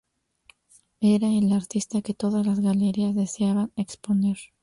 Era el artista que todas las galerías deseaban exponer.